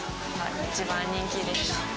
一番人気です。